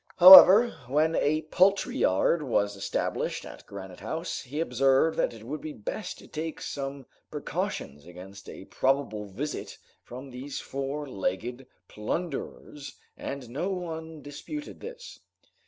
However, when a poultry yard was established at Granite House, he observed that it would be best to take some precautions against a probable visit from these four legged plunderers, and no one disputed this.